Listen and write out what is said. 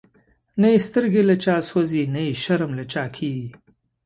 نه یی سترگی له چا سوځی، نه یی شرم له چا کیږی